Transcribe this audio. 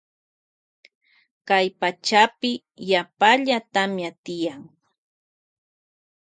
Kay pachapi tiyan yapalla tamia.